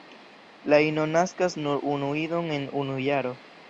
La ino naskas nur unu idon en unu jaro.